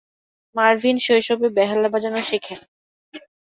Marvin শৈশবে বেহালা বাজানো শিখেন।